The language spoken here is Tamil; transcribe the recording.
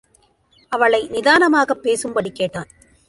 அவளை நிதானமாகப் பேசும்படி கேட்டான்.